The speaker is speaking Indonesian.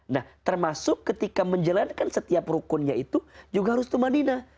nah termasuk ketika menjalankan setiap rukunnya itu juga harus tumanina